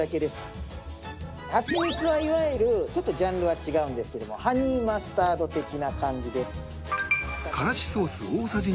ハチミツはいわゆるちょっとジャンルは違うんですけどもハニーマスタード的な感じで。